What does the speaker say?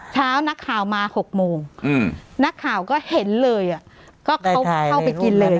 เช้านักข่าวมา๖โมงนักข่าวก็เห็นเลยก็เขาเข้าไปกินเลย